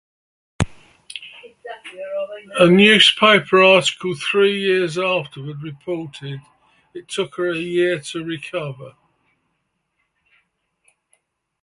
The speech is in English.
A newspaper article three years afterward reported, It took her a year to recover.